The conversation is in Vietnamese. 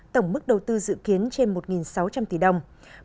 tổng mức đầu tư dự kiến trên một sáu trăm linh tỷ đồng